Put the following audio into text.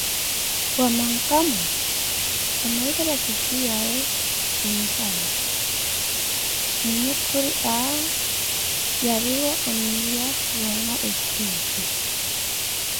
Wa mankamo? Onuzeela titiya wa muinzala. Mwinhe khuri aaa yariwa oniya zona etthiipi